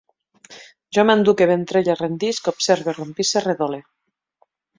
Jo manduque, ventrelle, rendisc, observe, rompisse, redole